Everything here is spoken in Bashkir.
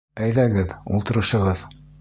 Әйҙәгеҙ, ултырышығыҙ!